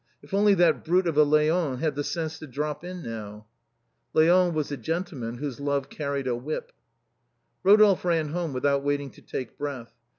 If only that brute of a Leon had the sense to drop in now !" Leon was the gentleman whose love carried a whip. Eodolphe ran home without waiting to take breath.